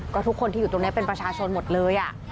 ก็ทุกคนที่อยู่ตรงนี้เป็นประชาชนหมดเลย